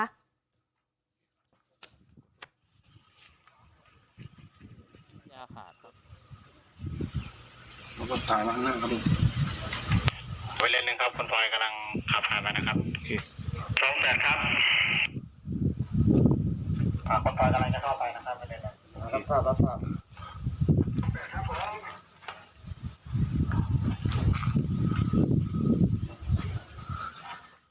ตายมาข้างหน้างครับลูกวิเลนส์หนึ่งครับคุณพลอยกำลังขับถ่ายมานะครับ